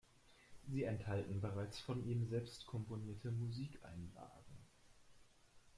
Sie enthalten bereits von ihm selbst komponierte Musikeinlagen.